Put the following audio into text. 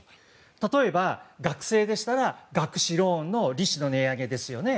例えば、学生でしたら学資ローンの利子の値上げですよね。